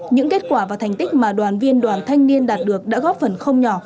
những kết quả và thành tích mà đoàn viên đoàn thanh niên đạt được đã góp phần không nhỏ